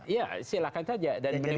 ya silahkan saja